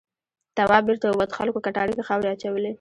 تواب بېرته ووت خلکو کټاره کې خاورې اچولې.